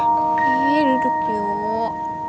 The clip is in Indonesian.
heeh duduk yuk